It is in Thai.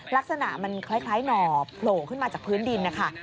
ลักษณะมันคล้ายหน่อโผล่ขึ้นมาจากพื้นดินนะคะ